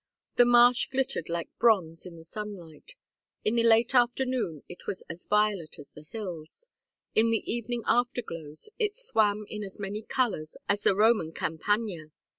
The marsh glittered like bronze in the sunlight. In the late afternoon it was as violet as the hills. In the evening afterglows it swam in as many colors as the Roman Campagna.